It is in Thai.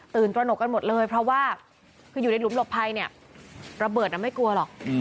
ตระหนกกันหมดเลยเพราะว่าคืออยู่ในหลุมหลบภัยเนี่ยระเบิดไม่กลัวหรอก